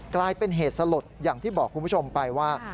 กลายเป็นเหตุสลดอย่างที่บอกคุณผู้ชมไปว่า